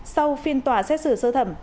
sau phiên tòa xét xử sơ thẩm